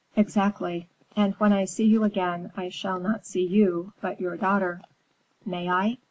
"Exactly. And when I see you again I shall not see you, but your daughter. May I?"